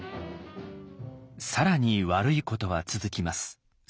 更に悪いことは続きます。